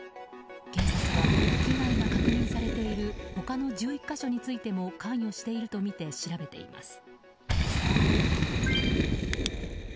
警察は被害が確認されている他の１１か所についても関与しているとみて調べています。